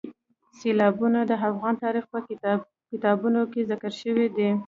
سیلابونه د افغان تاریخ په کتابونو کې ذکر شوی دي.